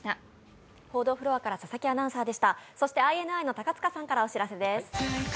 そしてＩＮＩの高塚さんからお知らせです。